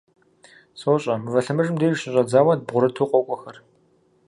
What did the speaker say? – СощӀэ, Мывэ Лъэмыжым деж щыщӀэдзауэ дбгъурыту къокӀуэхэр.